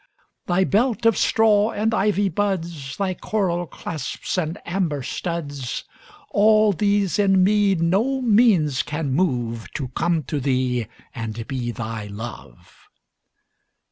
Thy belt of straw and ivy buds, Thy coral clasps and amber studs,—All these in me no means can moveTo come to thee and be thy Love.